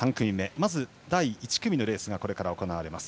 まずは第１組目のレースがこれから行われます。